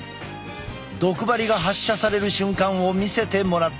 毒針が発射される瞬間を見せてもらった。